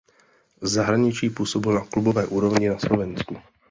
V zahraničí působil na klubové úrovni na Slovensku.